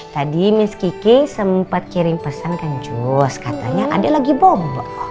tadi miss kiki sempat kirim pesan kan jus katanya adik lagi bobok